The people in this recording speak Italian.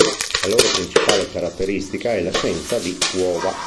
La loro principale caratteristica è l’assenza di uova.